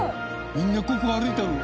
みんなここ歩いたの？